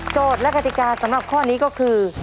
และกติกาสำหรับข้อนี้ก็คือ